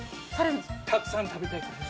たくさん食べたいからです。